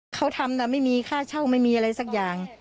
เขาทำไม่มีค่าเช่าไม่มีอะไรสักอย่าง